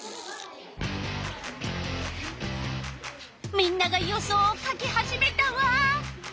みんなが予想をかき始めたわ。